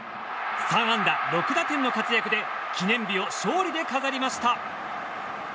３安打６打点の活躍で記念日を勝利で飾りました。